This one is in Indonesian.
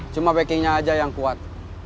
cuma backingnya aja yang kuat